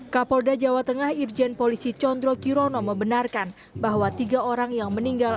kapolda jawa tengah irjen polisi condro kirono membenarkan bahwa tiga orang yang meninggal